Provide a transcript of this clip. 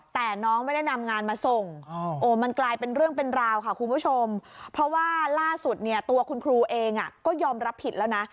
แต่น้องไม่ได้นำงานมาส่งมันกลายเป็นเรื่องเป็นราวค่ะคุณผู้ชมเพราะว่าล่าสุดเนี่ยตัวคุณครูเองก็ยอมรับผิดแล้วนะ